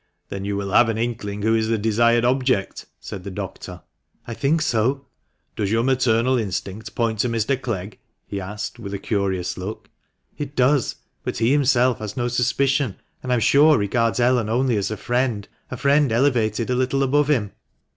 " Then you will have an inkling who is the desired object ?" said the doctor. "I think so." " Does your maternal instinct point to Mr. Clegg ?" he asked, with a curious look. " It does ; but he himself has no suspicion, and I am sure regards Ellen only as a friend — a friend elevated a little above him."